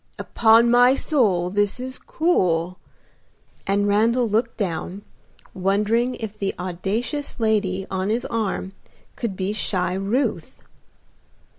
"Upon my soul, this is cool," and Randal looked down, wondering if the audacious lady on his arm could be shy Ruth.